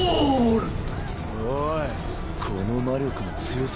おいこの魔力の強さ。